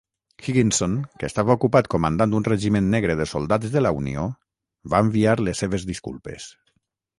Higginson, que estava ocupat comandant un regiment negre de soldats de la Unió, va enviar les seves disculpes.